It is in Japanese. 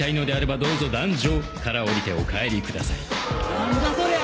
何じゃそりゃ！